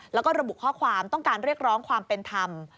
แล้วก็ระบุข้อความต้องการเรียกร้องความเป็นธรรม